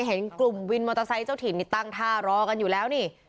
เห็นกลุ่มวินมอเตอร์ไซค์เจ้าถิ่นนี่ตั้งท่ารอกันอยู่แล้วนี่